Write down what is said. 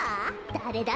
だれだ？